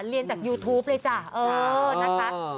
เรียนจากยูทูปเลยจ้ะเออนะครับ